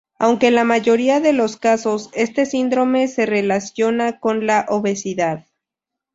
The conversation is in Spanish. Aunque en la mayoría de los casos, este síndrome se relaciona con la obesidad.